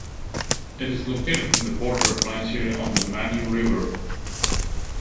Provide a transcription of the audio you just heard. It is located from the border of Nigeria, on the Manyu River.